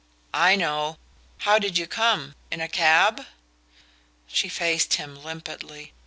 "I know... How did you come? In a cab?" She faced him limpidly.